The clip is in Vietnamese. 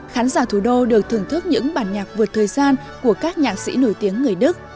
khán giả thủ đô được thưởng thức những bản nhạc vượt thời gian của các nhạc sĩ nổi tiếng người đức